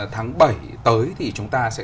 tháng bảy tới thì chúng ta sẽ